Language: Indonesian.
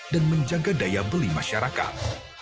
dan menjaga daya beli masyarakat